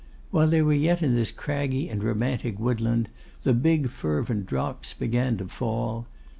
While they were yet in this craggy and romantic woodland, the big fervent drops began to fall.